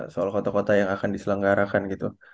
soal kota kota yang akan diselenggarakan gitu